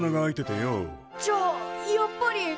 じゃあやっぱり。